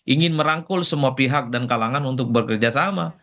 ingin merangkul semua pihak dan kalangan untuk bekerja sama